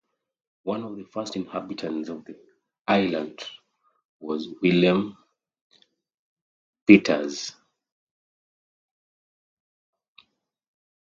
One of the first inhabitants of the island was Willem Pietersz.